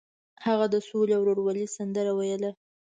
هغه د سولې او ورورولۍ سندره ویله.